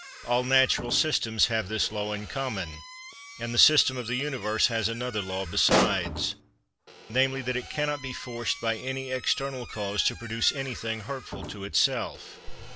All natural systems have this law in common, and the system of the Universe has another law besides; namely that it cannot be forced by any external cause to produce anything hurtful to itself.